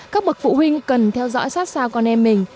các bậc phụ huynh cần theo dõi sát sao con em mình